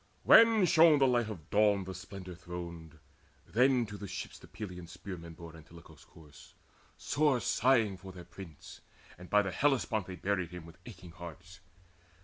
When shone the light of Dawn the splendour throned, Then to the ships the Pylian spearmen bore Antilochus' corpse, sore sighing for their prince, And by the Hellespont they buried him With aching hearts.